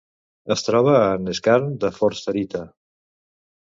Es troba en skarn de forsterita.